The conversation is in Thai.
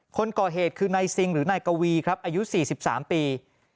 คนก่อเหตุถือในซิงหรือในกระวีครับอายุสี่สิบสามปี